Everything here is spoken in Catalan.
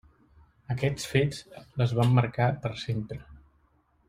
Aquests fets les van marcar per sempre.